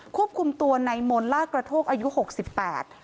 ควบคุมตัวในมนต์ลากกระโทกอายุหกสิบแปด